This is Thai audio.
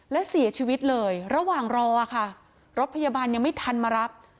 และเสียชีวิตเลยระหว่างรอค่ะรถพยาบาลยังไม่ทันมารับ